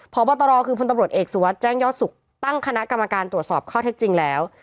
พบตรคือพลตำรวจเอกสุวัสดิ์แจ้งยอดสุขตั้งคณะกรรมการตรวจสอบข้อเท็จจริงแล้ว